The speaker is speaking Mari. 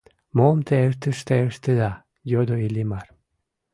— Мом те тыште ыштеда? — йодо Иллимар.